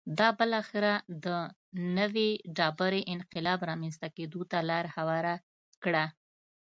دا بالاخره د نوې ډبرې انقلاب رامنځته کېدو ته لار هواره کړه